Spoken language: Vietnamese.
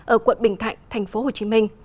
ở quận bình thạnh tp hcm